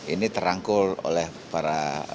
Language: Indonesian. ini terangkul oleh para